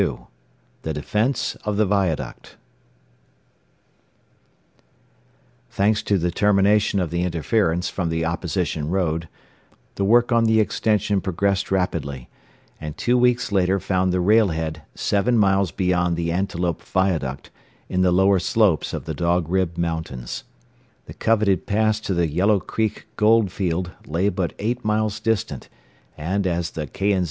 XXII THE DEFENSE OF THE VIADUCT Thanks to the termination of the interference from the opposition road, the work on the extension progressed rapidly, and two weeks later found the rail head seven miles beyond the Antelope viaduct, in the lower slopes of the Dog Rib Mountains. The coveted pass to the Yellow Creek gold field lay but eight miles distant, and as the K. & Z.